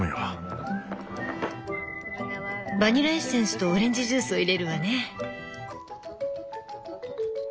バニラエッセンスとオレンジジュースを入れるわね。